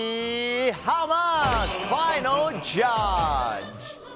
ハウマッチファイナルジャッジ！